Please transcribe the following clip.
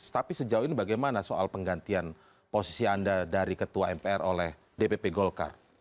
tapi sejauh ini bagaimana soal penggantian posisi anda dari ketua mpr oleh dpp golkar